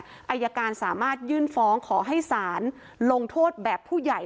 อายการสามารถยื่นฟ้องขอให้ศาลลงโทษแบบผู้ใหญ่